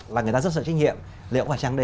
là người ta rất sợ trách nhiệm liệu phải chăng đây